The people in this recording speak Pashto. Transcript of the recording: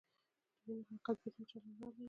د وینو حرکت بېل او جلا لار لري.